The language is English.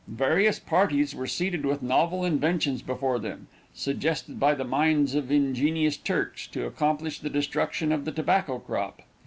Various parties were seated with novel inventions before them, suggested by the minds of ingenious Turks, to accomplish the destruction of the tobacco crop.